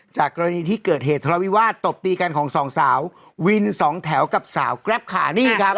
กรณีที่เกิดเหตุทะเลาวิวาสตบตีกันของสองสาววินสองแถวกับสาวแกรปขานี่ครับ